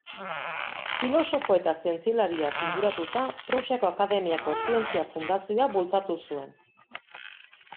Filosofo eta zientzialariz inguratuta, Prusiako Akademiako Zientzia Fundazioa bultzatu zuen.